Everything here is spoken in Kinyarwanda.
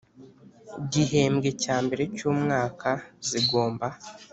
Gihembwe cya mbere cy umwaka zigomba